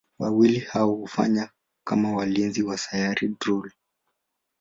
Wawili hao hufanya kama walinzi wa Sayari Drool.